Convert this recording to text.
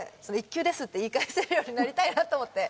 「１級です」って言い返せるようになりたいなと思って。